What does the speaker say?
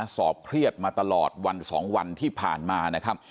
สอบเคลียดมาตลอดวันที่สองวันที่ผ่านมา